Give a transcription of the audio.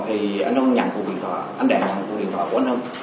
và trong quá trình đo buffet với bọn thì anh đại nhận cuộc điện thoại của anh hưng